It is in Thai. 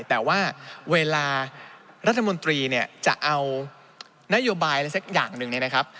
แต่ว่าเวลารัฐมนตรีเนี่ยจะเอานโยบายอะไรสักอย่างหนึ่งเนี่ยนะครับ